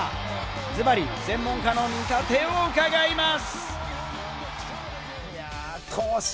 ズバリ、専門家の見立てを伺います。